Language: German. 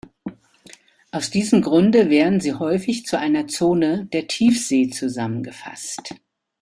Aus diesem Grunde werden sie häufig zu einer Zone, der Tiefsee, zusammengefasst.